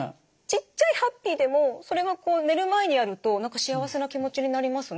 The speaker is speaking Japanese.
ちっちゃいハッピーでもそれがこう寝る前にやると何か幸せな気持ちになりますね。